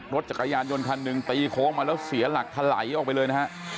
รถจักรยานยนต์คันหนึ่งตีโค้งมาแล้วเสียหลักถลายออกไปเลยนะฮะ